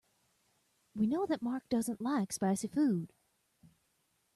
We know that Mark does not like spicy food.